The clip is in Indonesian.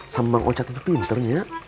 sambang ocak itu pinternya